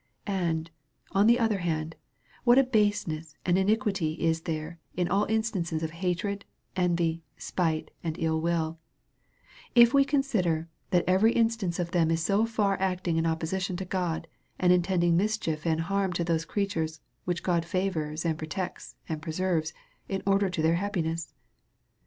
And, on the other hand, what a baseness and iniquity is there in all instances of hatred, envy, spite, and ill will ; if we consider, that every instance of them is so far acting in opposition to God, and intending mischief and harm to those creatures, which God favours, and protects, and preserves, in order to their happiness